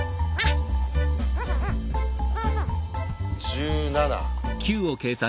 １７。